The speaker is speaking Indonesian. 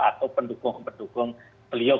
atau pendukung pendukung beliau